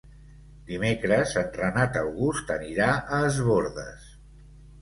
Dimecres en Renat August anirà a Es Bòrdes.